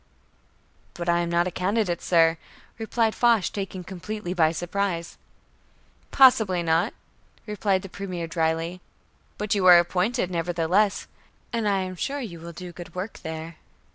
"But I am not a candidate, sir," replied Foch, taken completely by surprise. "Possibly not," replied the Premier drily, "but you are appointed nevertheless, and I am sure you will do good work there."